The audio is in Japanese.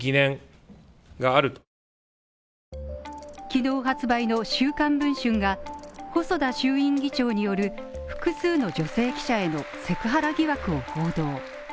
昨日発売の週刊文春が、細田衆院議長による複数の女性記者へのセクハラ疑惑を報道。